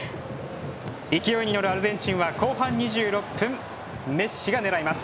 勢いに乗るアルゼンチンは後半２６分メッシが狙います。